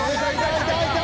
「いたいた！」